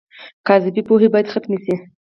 کاذبې پوهې باید ختمې شي.